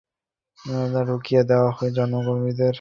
রুদ্ধদ্বার এ বর্ধিত সভায় সংবাদকর্মীদের ঢুকতে দেওয়া হয়নি।